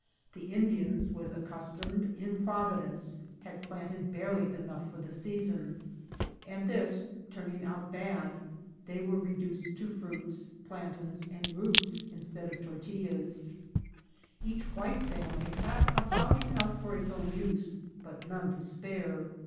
The In dians, with accustomed improvidence, had planted SCARCITY OF PROVISIONS. 283 barely enough for the season, and this turning out bad, they were reduced to fruits, plantains, and roots in stead of tortillas. Each white family had about enough for its own use, but none to spare.